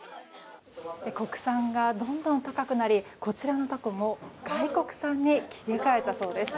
国産がどんどん高くなりこちらのタコも外国産に切り替えたそうです。